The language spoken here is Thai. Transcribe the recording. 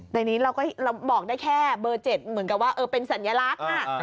ในนี้เราก็บอกได้แค่เบอร์๗เหมือนกับว่าเป็นสัญลักษณ์